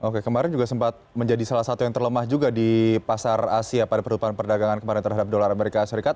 oke kemarin juga sempat menjadi salah satu yang terlemah juga di pasar asia pada perlupaan perdagangan kemarin terhadap dolar amerika serikat